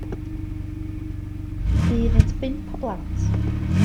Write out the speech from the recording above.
Bu iddynt bump o blant.